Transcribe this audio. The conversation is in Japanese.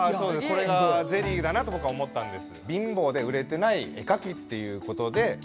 これがゼリーだなと僕は思ったんです。